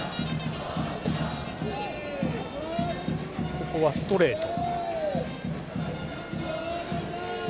ここはストレート。